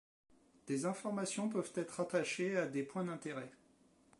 Des informations peuvent être rattachées à des points d'intérêt.